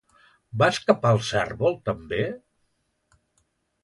Va escapar el cérvol també?